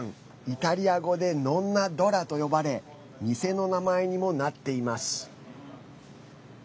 イタリア語でノンナ・ドラと呼ばれ店の名前にもなっています。